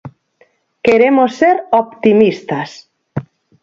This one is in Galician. Queremos ser optimistas.